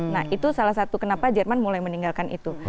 nah itu salah satu kenapa jerman mulai meninggalkan itu